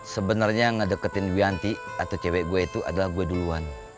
sebenernya ngedeketin wianty atau cewek gue itu adalah gue duluan